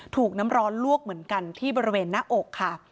ถูกน้ำร้อนลวกเหมือนกันที่บริเวณหน้าอกค่ะ